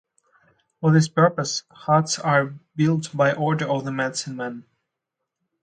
For this purpose, huts are built by order of the medicine-men.